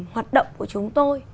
hoạt động của chúng tôi